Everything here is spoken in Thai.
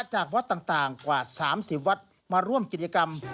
จากวัดต่างกว่า๓๐วัดมาร่วมกิจกรรม